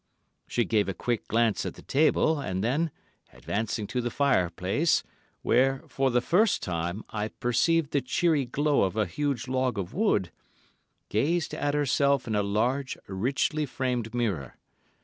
She gave a quick glance at the table, and then, advancing to the fireplace, where, for the first time, I perceived the cheery glow of a huge log of wood, gazed at herself in a large, richly framed mirror.